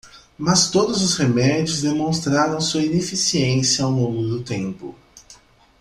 Mas todos os remédios demonstraram sua ineficiência ao longo do tempo.